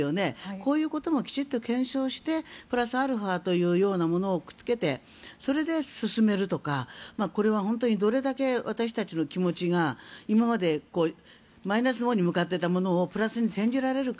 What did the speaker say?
こういうこともきちっと検証してプラスアルファというものをくっつけてそれで進めるとかこれはどれだけ私たちの気持ちが今まで、マイナスのほうに向かっていたものをプラスに転じられるか。